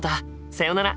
さよなら！